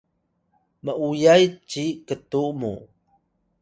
m’uyay ci ktu mu